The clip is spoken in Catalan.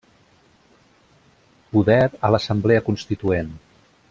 Poder a l'Assemblea Constituent!